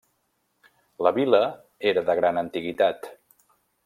La vila era de gran antiguitat.